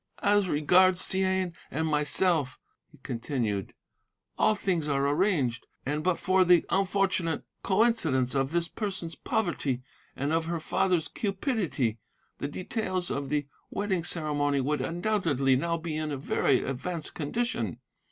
"'As regards Ts'ain and myself,' he continued, 'all things are arranged, and but for the unfortunate coincidence of this person's poverty and of her father's cupidity, the details of the wedding ceremony would undoubtedly now be in a very advanced condition.